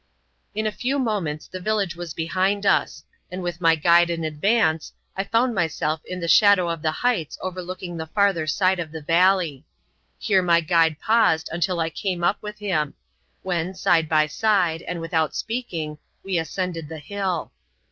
In a few moments the village was behind us ; and with my guide in advance, I found myself in the shadow of the heights overlooking the farther side of the valley. Here my guide paused until I came up with him; when, side by side, and without speaking, we ascended the hill.